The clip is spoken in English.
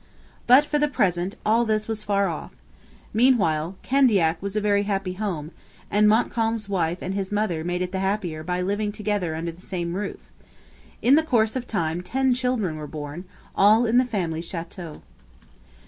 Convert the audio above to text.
But for the present all this was far off. Meanwhile, Candiac was a very happy home; and Montcalm's wife and his mother made it the happier by living together under the same roof. In course of time ten children were born, all in the family chateau.